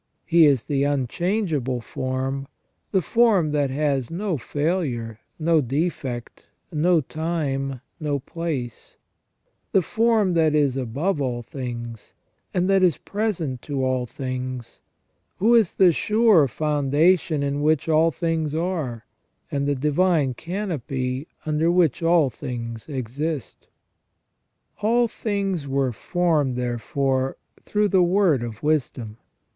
He is the unchangeable form ; the form that has no failure, no defect, no time, no place ; the form that is above all things, and that is present to all things ; who is the sure foundation in which all things are, and the divine canopy under which all things exist." * All things were formed, therefore, through the Word of Wisdom.